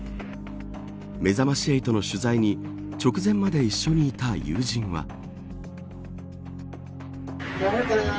めざまし８の取材に直前まで一緒にいた友人は。